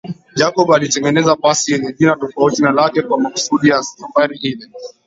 Jacob alitengeneza pasi yenye jina tofauti na lake kwa makusudi ya safari ile